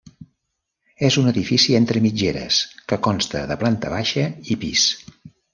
És un edifici entre mitgeres que consta de planta baixa i pis.